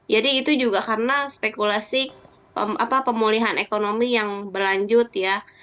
jadi itu juga karena spekulasi pemulihan ekonomi yang berlanjut ya